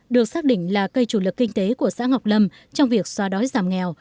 được xác định là cây chủ lực kinh tế của xã ngọc lâm trong việc xóa đói giảm nghèo